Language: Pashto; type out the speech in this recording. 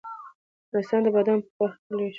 افغانستان د بادامو په برخه کې لوی نړیوال شهرت لري.